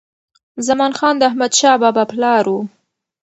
زمان خان د احمدشاه بابا پلار و.